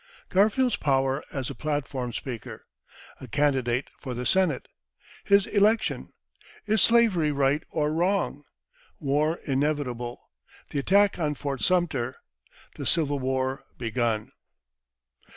Garfield's Power as a Platform Speaker A Candidate for the Senate His Election Is Slavery right or wrong? War inevitable The Attack on Fort Sumter The Civil War begun.